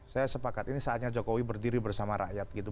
saya sepakat ini saatnya jokowi berdiri bersama rakyat gitu